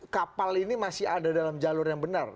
kapal ini masih ada dalam jalur yang benar